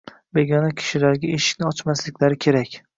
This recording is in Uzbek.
begona kishilarga eshikni ochmasliklari kerak.